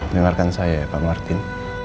dengarkan saya pak martin